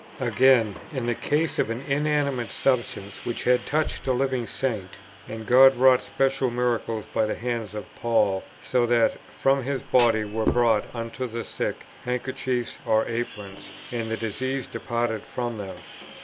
Again, in the case of an inanimate substance, which had touched a living Saint: "And God wrought special miracles by the hands of Paul; so that from his body were brought unto the sick handkerchiefs or aprons, and the diseases departed from them."